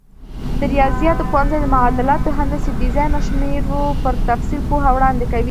د ریاضیاتو پوهنځی د معادلاتو، هندسي ډیزاین او شمېرو پر تفصیل پوهه وړاندې کوي.